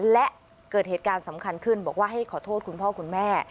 และเกิดเหตุการณ์สำคัญขึ้นบอกว่าให้ขอโทษคุณพ่อคุณแม่